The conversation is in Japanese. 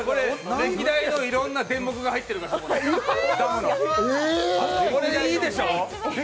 歴代のいろんなデンモクが入ってるから、これいいでしょ。